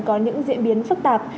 có những diễn biến phức tạp